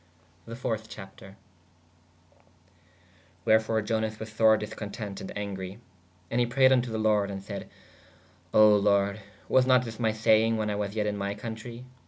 ¶ The .iiij. Chapter. Wherfore Ionas was sore discontent ād angre. And he prayed vn to the lorde ād sayd: O lord/ was not this my sayenge when I was yet in my contre?